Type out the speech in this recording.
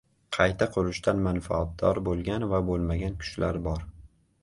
Qayta qurishdan manfaatdor bo‘lgan va bo‘lmagan kuchlar bor.